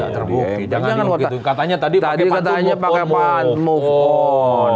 tadi katanya pakai pantu move on